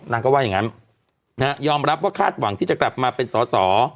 นางก็ว่าอย่างนั้นยอมรับว่าคาดหวังที่จะกลับมาเป็นสอสอ